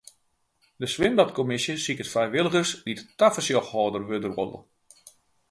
De swimbadkommisje siket frijwilligers dy't tafersjochhâlder wurde wolle.